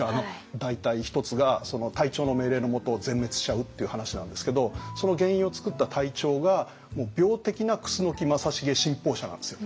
大隊１つが隊長の命令のもと全滅しちゃうっていう話なんですけどその原因を作った隊長がもう病的な楠木正成信奉者なんですよ。